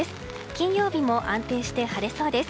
金曜日も安定して晴れそうです。